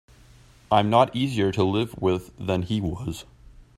I'm not easier to live with than he was.